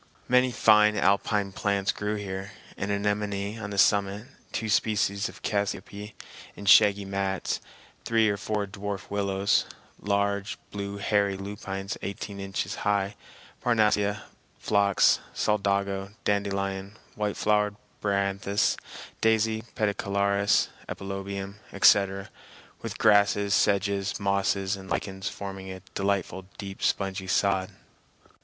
Many fine alpine plants grew here, an anemone on the summit, two species of cassiope in shaggy mats, three or four dwarf willows, large blue hairy lupines eighteen inches high, parnassia, phlox, solidago, dandelion, white flowered bryanthus, daisy, pedicularis, epilobium, etc., with grasses, sedges, mosses, and lichens, forming a delightful deep spongy sod.